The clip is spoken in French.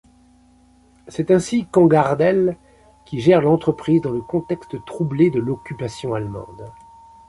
C'est ainsi Cangardel qui gère l'entreprise dans le contexte troublé de l'Occupation allemande.